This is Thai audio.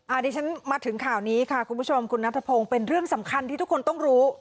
อันนี้ฉันมาถึงข่าวนี้ค่ะคุณผู้ชมคุณนัทพงศ์เป็นเรื่องสำคัญที่ทุกคนต้องรู้